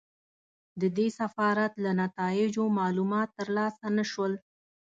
د دې سفارت له نتایجو معلومات ترلاسه نه شول.